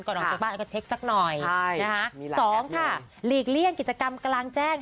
ก่อนออกจากบ้านก็เช็คสักหน่อย๒หลีกเลี่ยงกิจกรรมกำลังแจ้ง